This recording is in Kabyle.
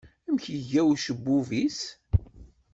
Amek iga ucebbub-is?